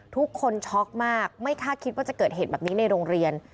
ช็อกมากไม่คาดคิดว่าจะเกิดเหตุแบบนี้ในโรงเรียน